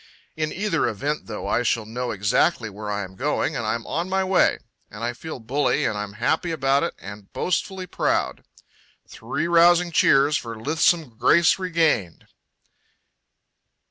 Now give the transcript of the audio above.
In either event, though, I shall know exactly where I am going and I'm on my way. And I feel bully and I'm happy about it and boastfully proud. Three rousing cheers for lithesome grace regained!